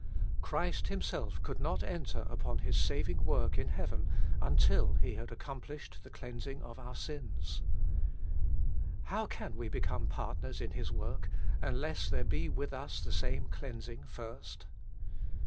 Christ Himself could not enter upon His saving work in heaven until He had accomplished the cleansing of our sins. How can we become partners in His work, unless there be with us the same cleansing first.